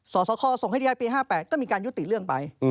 สสคส่งให้ได้ปี๕๘ก็มีการยุติเรื่องไป